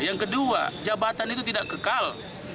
yang kedua jabatan itu tidak kekal